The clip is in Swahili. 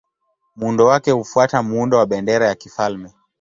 Muundo wake hufuata muundo wa bendera ya kifalme.